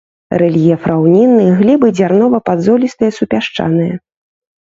Рэльеф раўнінны, глебы дзярнова-падзолістыя супясчаныя.